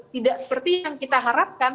tidak seperti yang kita harapkan